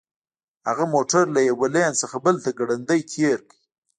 هغه موټر له یوه لین څخه بل ته ګړندی تیر کړ